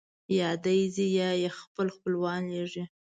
یا دی ځي یا یې خپل خپلوان لېږي.